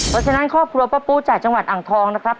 เพราะฉะนั้นครอบครัวป้าปูจากจังหวัดอ่างทองนะครับ